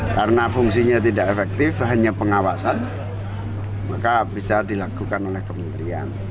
karena fungsinya tidak efektif hanya pengawasan maka bisa dilakukan oleh kementerian